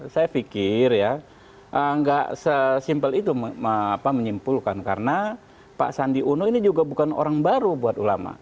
saya pikir ya nggak sesimpel itu menyimpulkan karena pak sandi uno ini juga bukan orang baru buat ulama